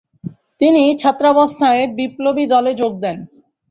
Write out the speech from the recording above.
তিনি ছাত্রাবস্থায় বিপ্লবী দলে যোগ দেন।